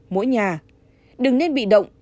mỗi nhà đừng nên bị động